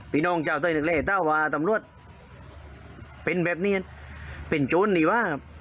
พี่น้องเจ้าต้องเลยต้องว่าตำรวจเป็นแบบนี้อ่ะเป็นโจรดีวะครับ